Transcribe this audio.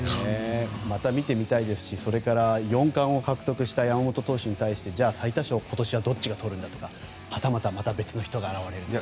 また見てみたいですし４冠を獲得した山本投手に対して最多勝を今年はどっちがとるんだとかまた別の人が現れるか。